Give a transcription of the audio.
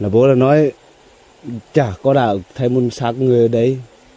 bố là nói chả có nào thấy một xác người ở đấy